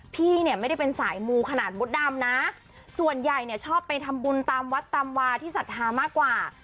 พี่กูแดมบูถดรรมะส่วนใหญ่ชอบไปทำบุญตามวัฒน์ตามวาทฤษฐามากกว่า